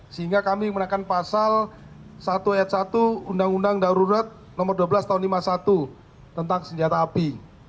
sehingga kami menggunakan pasal satu ayat satu undang undang darurat nomor dua belas tahun seribu sembilan ratus lima puluh satu tentang senjata api